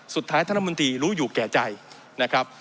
ท่านรัฐมนตรีรู้อยู่แก่ใจนะครับ